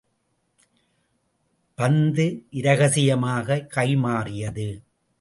பந்து இரகசியமாகக் கைமாறியது.